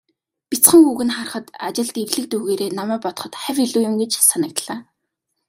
Бяцхан хүүг нь харахад, ажилд эвлэг дүйгээрээ намайг бодоход хавь илүү юм гэж санагдлаа.